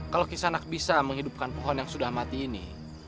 kalau kisanak bisa menghidupkan pohon yang sudah mati ini